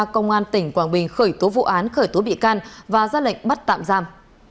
công an tỉnh quảng bình khởi tố vụ án khởi tố bị can và ra lệnh bắt tạm giam